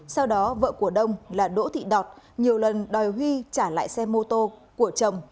sau đó vợ của đông là đỗ thị đọt nhiều lần đòi huy trả lại xe mô tô của chồng